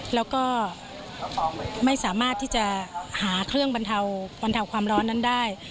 แล้วก็ไม่สามารถที่จะหาเครื่องบรรเทาบรรเทาความร้อนนั้นได้